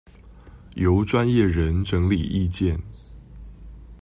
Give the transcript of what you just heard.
由專業人整理意見